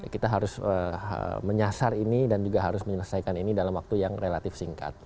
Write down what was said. kita harus menyasar ini dan juga harus menyelesaikan ini dalam waktu yang relatif singkat